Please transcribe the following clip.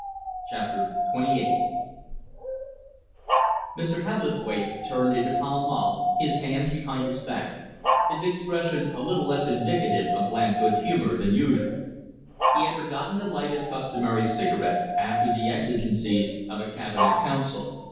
CHAPTER XXVIII Mr. Hebblethwaite turned into Pall Mall, his hands behind his back, his expression a little less indicative of bland good humour than usual. He had forgotten to light his customary cigarette after the exigencies of a Cabinet Council.